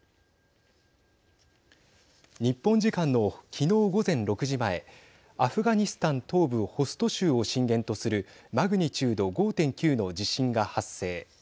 日本時間の、きのう午前６時前アフガニスタン東部ホスト州を震源とするマグニチュード５．９の地震が発生。